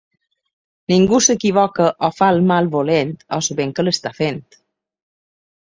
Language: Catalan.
Ningú s'equivoca o fa el mal volent o sabent que l'està fent.